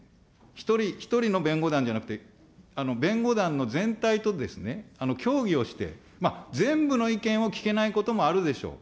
一人一人の弁護団じゃなくて、弁護団の全体とですね、協議をして、全部の意見を聞けないこともあるでしょう。